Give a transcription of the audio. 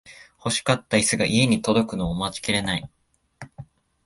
欲しかったイスが家に届くのを待ちきれない